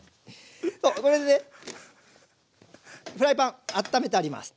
これでねフライパンあっためてあります。